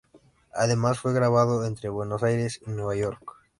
Además, fue grabado entre Buenos Aires y Nueva York.